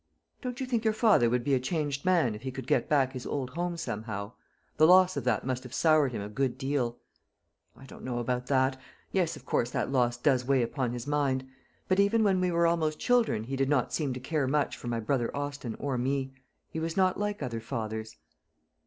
"Don't you think your father would be a changed man, if he could get back his old home somehow? The loss of that must have soured him a good deal." "I don't know about that. Yes, of course that loss does weigh upon his mind; but even when we were almost children he did not seem to care much for my brother Austin or me. He was not like other fathers."